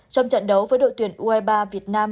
trong trận đấu với đội tuyển u hai mươi ba việt nam